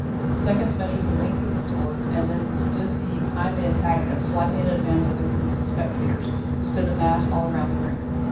The seconds measured the length of the swords and then stood behind the antagonists, slightly in advance of the groups of spectators, who stood massed all round the room.